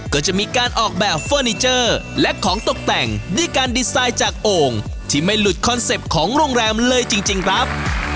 ก็จะมีการออกแบบเฟอร์นิเจอร์และของตกแต่งด้วยการดีไซน์จากโอ่งที่ไม่หลุดคอนเซ็ปต์ของโรงแรมเลยจริงครับ